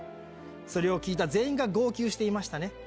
それを聞いた全員が号泣していましたね。